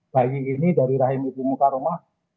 bayi ini dari rahim ibu muka rumah